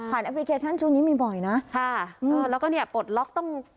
แอปพลิเคชันช่วงนี้มีบ่อยนะค่ะเออแล้วก็เนี่ยปลดล็อกต้อง